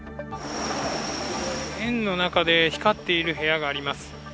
園の中で光っている部屋があります。